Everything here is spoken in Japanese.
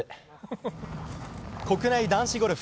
国内男子ゴルフ。